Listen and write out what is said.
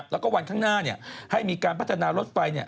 แล้วก็วันข้างหน้าให้มีการพัฒนารถไฟ